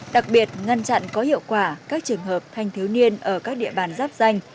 đặc biệt ngăn chặn có hiệu quả các trường hợp thanh thiếu niên ở các địa bàn giáp danh